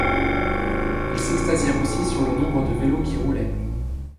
Ils s’extasièrent aussi sur le nombre de vélos qui roulaient